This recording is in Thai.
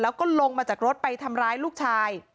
แล้วก็ลงมาจากรถไปทำร้ายลูกชาย